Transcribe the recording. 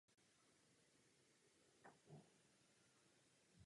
Strana Mladí demokraté zůstala marginální formací.